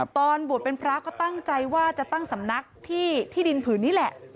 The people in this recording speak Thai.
ตอนบวชเป็นพระก็ตั้งใจว่าจะตั้งสำนักที่ที่ดินผืนนี้แหละ